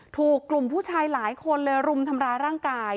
ถูกกลุ่มผู้ชายหลายคนเลยรุมทำร้ายร่างกาย